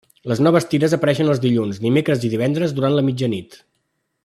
Les noves tires apareixen els dilluns, dimecres i divendres durant la mitjanit.